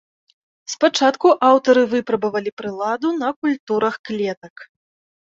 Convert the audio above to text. Спачатку аўтары выпрабавалі прыладу на культурах клетак.